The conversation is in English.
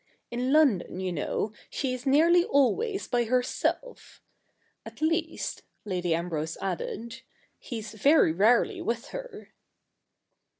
In London, you know, she is nearly always by herself. At least,' Lady Ambrose added, ' he's very rarely with her.'